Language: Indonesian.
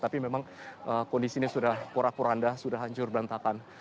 tapi memang kondisinya sudah korak koranda sudah hancur berantakan